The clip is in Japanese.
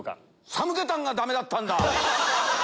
サムゲタンがダメだったんだ！